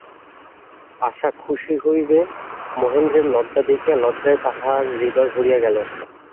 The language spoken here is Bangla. আশা খুশি হইবে কি, মহেন্দ্রের লজ্জা দেখিয়া লজ্জায় তাহার হৃদয় ভরিয়া গেল।